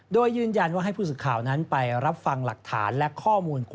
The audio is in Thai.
โดยยืนยันว่าให้ผู้สื่อข่าวนั้นไปรับฟังหลักฐานและข้อมูล